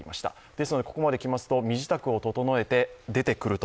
ですのでここまできますと、身支度を調えて出てくると。